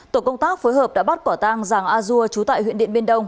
tổ công tác phối hợp đã bắt quả tang giàng a dua chú tại huyện điện biên đông